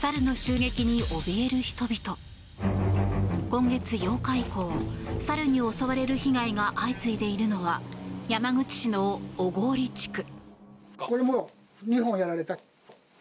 今月８日以降猿に襲われる被害が相次いでいるのは山口市の小郡地区。